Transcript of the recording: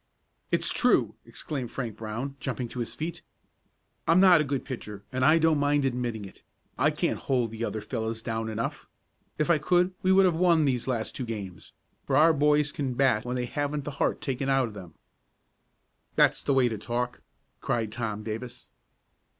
"It's true!" exclaimed Frank Brown, jumping to his feet. "I'm not a good pitcher, and I don't mind admitting it. I can't hold the other fellows down enough. If I could, we would have won these last two games, for our boys can bat when they haven't the heart taken out of them." "That's the way to talk!" cried Tom Davis.